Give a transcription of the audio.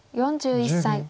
４１歳。